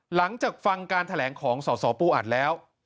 หลังจากฟังการแถลงของสสปูอัดแล้ว